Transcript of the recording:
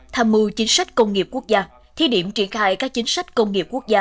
tham mưu chính sách công nghiệp quốc gia thi điểm triển khai các chính sách công nghiệp quốc gia